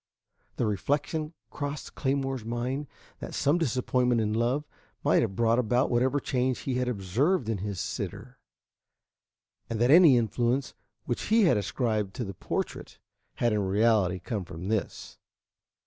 The reflection crossed Claymore's mind that some disappointment in love might have brought about whatever change he had observed in his sitter, and that any influence which he had ascribed to the portrait had in reality come from this.